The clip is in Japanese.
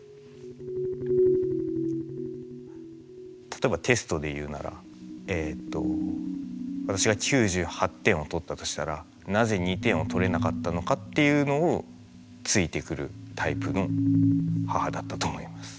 例えばテストで言うなら私が９８点を取ったとしたらなぜ２点を取れなかったのかっていうのをついてくるタイプの母だったと思います。